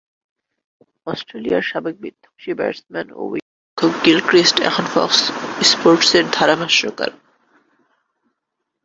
অস্ট্রেলিয়ার সাবেক বিধ্বংসী ব্যাটসম্যান ও উইকেটরক্ষক গিলক্রিস্ট এখন ফক্স স্পোর্টসের ধারাভাষ্যকার।